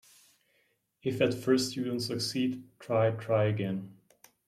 If at first you don't succeed, try, try again.